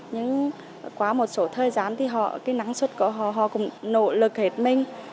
nhưng qua một số thời gian năng suất của họ cũng nỗ lực hết mình